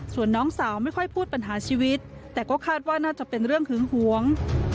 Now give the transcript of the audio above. ส่วนน้องสาวไม่ค่อยพูดปัญหาชีวิตแต่ก็คาดว่าน่าจะเป็นเรื่องหึงหวง